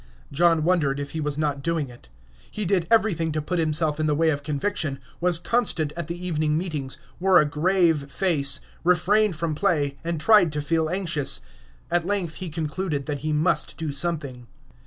John wondered if he was not doing it. He did everything to put himself in the way of conviction, was constant at the evening meetings, wore a grave face, refrained from play, and tried to feel anxious. At length he concluded that he must do something.